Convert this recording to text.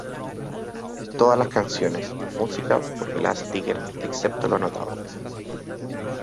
Todas las Canciones: Música por Glass Tiger excepto lo anotado.